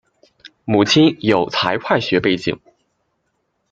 母亲有财会学背景。